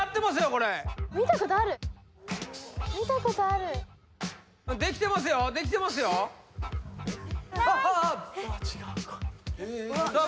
これ見たことある見たことあるできてますよできてますよさあ